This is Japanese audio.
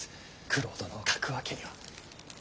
九郎殿を欠くわけには。